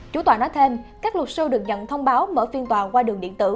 chủ tòa nói thêm các luật sư được nhận thông báo mở phiên tòa qua đường điện tử